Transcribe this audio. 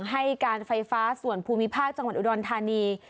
ให้การไฟฟ้าส่วนภูมิภาคจังหวัดอุดรธานี